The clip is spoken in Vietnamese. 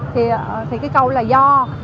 thì cái câu là do